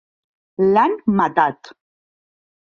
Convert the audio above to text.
L'han "matat".